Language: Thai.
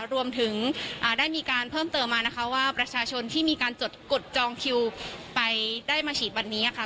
รวมถึงได้มีการเพิ่มเติมมานะคะว่าประชาชนที่มีการจดจองคิวไปได้มาฉีดวันนี้ค่ะ